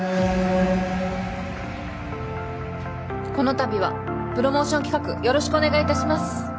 この度はプロモーション企画よろしくお願いいたします。